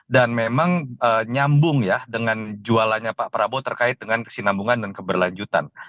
dan memang nyambung ya dengan jualannya pak prabowo terkait dengan kesinambungan dan keberlanjutan